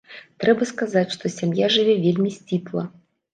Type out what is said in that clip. Трэба сказаць, што сям'я жыве вельмі сціпла.